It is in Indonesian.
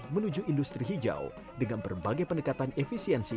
menuju industri hijau dengan berbagai pendekatan efisiensi